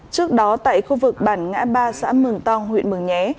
trước đó tại khu vực bản ngã ba xã mường tong huyện mường nhé